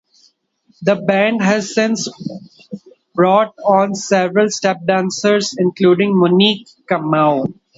The band has since brought on several step-dancers, including Monique Comeau.